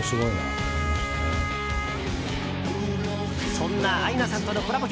そんなアイナさんとのコラボ